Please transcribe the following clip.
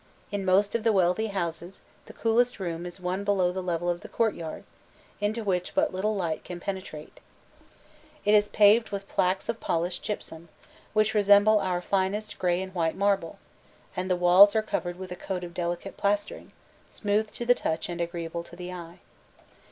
In most of the wealthy houses, the coolest room is one below the level of the courtyard, into which but little light can penetrate. It is paved with plaques of polished gypsum, which resembles our finest grey and white marble, and the walls are covered with a coat of delicate plastering, smooth to the touch and agreeable to the eye.